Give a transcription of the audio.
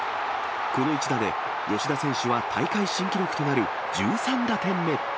この一打で、吉田選手は大会新記録となる１３打点目。